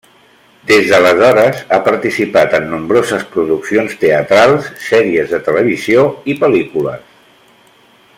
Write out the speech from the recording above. Des d'aleshores ha participat en nombroses produccions teatrals, sèries de televisió i pel·lícules.